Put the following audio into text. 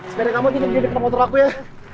sekali kamu tinggal deket motor aku ya